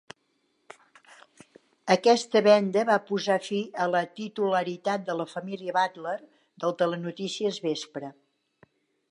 Aquesta venda va posar fi a la titularitat de la família Butler del telenotícies vespre.